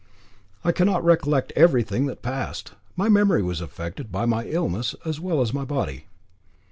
I cannot recollect everything that passed. My memory was affected by my illness, as well as my body.